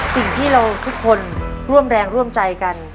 สิ่งที่เราทุกคนร่วมแรงร่วมใจกัน